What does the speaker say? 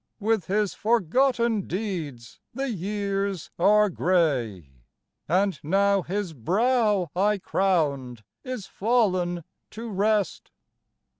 With his forgotten deeds the years are gray, And now his brow I crowned is fallen to rest.